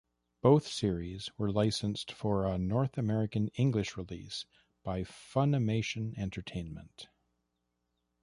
Both series were licensed for a North American English release by Funimation Entertainment.